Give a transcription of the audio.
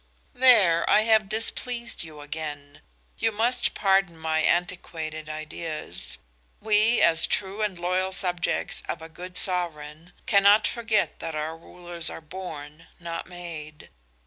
"There! I have displeased you again. You must pardon my antiquated ideas. We, as true and loyal subjects of a good sovereign, cannot forget that our rulers are born, not made.